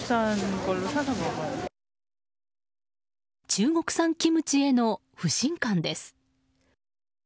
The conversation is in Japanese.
中国産キムチへの不信感です。